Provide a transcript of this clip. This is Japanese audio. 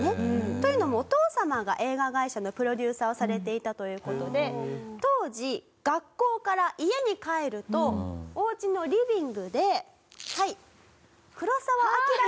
というのもお父様が映画会社のプロデューサーをされていたという事で当時学校から家に帰るとお家のリビングで。